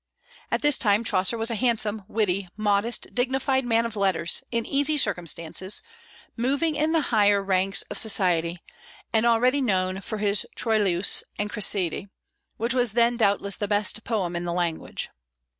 At this time Chaucer was a handsome, witty, modest, dignified man of letters, in easy circumstances, moving in the higher ranks of society, and already known for his "Troilus and Cresseide," which was then doubtless the best poem in the language.